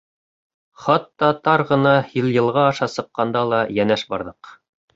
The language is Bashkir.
Хатта тар ғына Һилйылға аша сыҡҡанда ла йәнәш барҙыҡ.